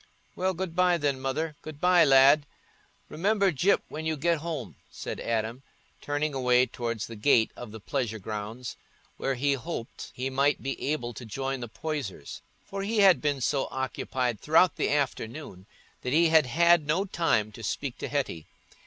"Well, good bye, then, Mother—good bye, lad—remember Gyp when you get home," said Adam, turning away towards the gate of the pleasure grounds, where he hoped he might be able to join the Poysers, for he had been so occupied throughout the afternoon that he had had no time to speak to Hetty.